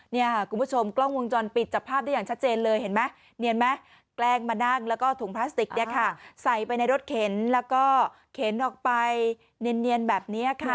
คุณผู้ชมกล้องวงจรปิดจับภาพได้อย่างชัดเจนเลยเห็นไหมเนียนไหมแกล้งมานั่งแล้วก็ถุงพลาสติกเนี่ยค่ะใส่ไปในรถเข็นแล้วก็เข็นออกไปเนียนแบบนี้ค่ะ